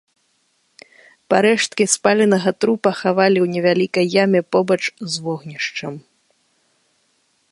Парэшткі спаленага трупа хавалі ў невялікай яме побач з вогнішчам.